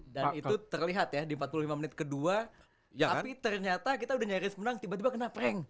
dan itu terlihat ya di empat puluh lima menit kedua tapi ternyata kita sudah nyaris menang tiba tiba kena prank